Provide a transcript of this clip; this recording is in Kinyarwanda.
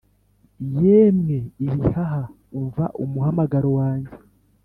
yemwe ibihaha, umva umuhamagaro wanjye!